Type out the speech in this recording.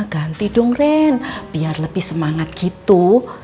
ganti dong ren biar lebih semangat gitu